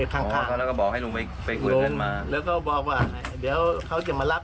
ถ้าแอ๊ดมิชชาชีพเค้าจะไม่รีบในหน้าค่ะ